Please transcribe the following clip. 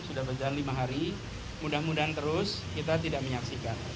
sudah berjalan lima hari mudah mudahan terus kita tidak menyaksikan